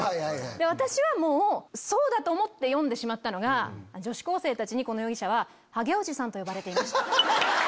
私はそうだと思って読んでしまったのが女子高生たちにこの容疑者はハゲおじさんと呼ばれていました。